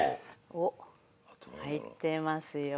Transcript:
おっ入ってますよ。